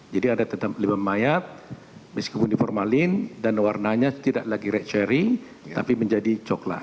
jadi ada tetap lebar mayat meskipun di formalin dan warnanya tidak lagi red cherry tapi menjadi coklat